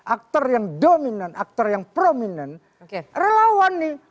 aktor yang dominan aktor yang prominent relawan nih